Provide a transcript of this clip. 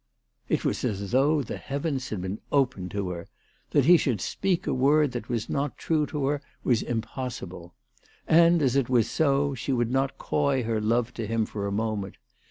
It was as though the heavens had been opened to her. That he should speak a word that was not true was to her impossible. And, as it was so, she would not coy her love to him for a moment.